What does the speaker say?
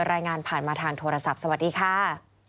รายงานผ่านมาทางโทรศัพท์สวัสดีค่ะ